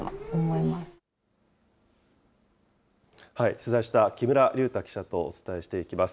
取材した木村隆太記者とお伝えしていきます。